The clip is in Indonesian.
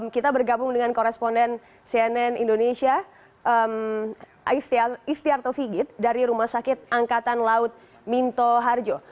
kita bergabung dengan koresponden cnn indonesia istiarto sigit dari rumah sakit angkatan laut minto harjo